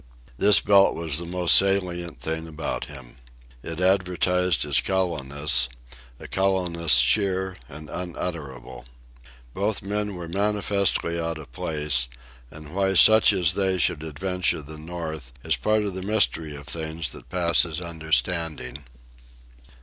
This belt was the most salient thing about him. It advertised his callowness—a callowness sheer and unutterable. Both men were manifestly out of place, and why such as they should adventure the North is part of the mystery of things that passes understanding.